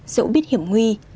dẫu biết hiểm nguy